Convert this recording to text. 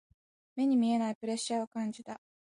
目に見えないプレッシャーを感じた。